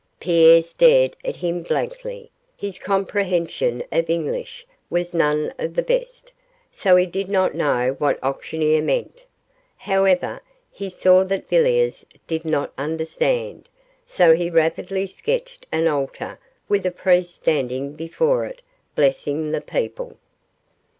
Pierre stared at him blankly; his comprehension of English was none of the best, so he did not know what auctioneer meant. However, he saw that Villiers did not understand, so he rapidly sketched an altar with a priest standing before it blessing the people.